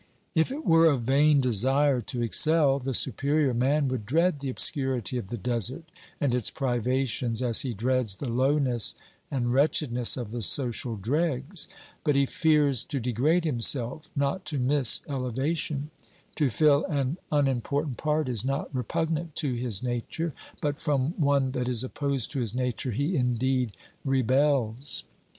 If it were a vain desire to excel, the superior man would dread the obscurity of the desert and its privations as he dreads the lowness and wretchedness of the social dregs ; but he fears to degrade himself, not to miss eleva tion ; to fill an unimportant part is not repugnant to his nature, but from one that is opposed to his nature he indeed rebels.